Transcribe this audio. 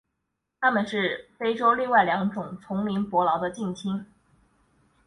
它们是非洲另外两种丛林伯劳的近亲。